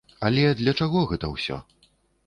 Але для чаго гэта ўсё?